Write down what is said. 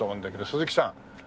鈴木さん